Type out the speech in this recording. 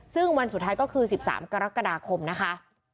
ซึ่งวันสุดท้ายก็คือ๑๓กรกฎาคมนะคะ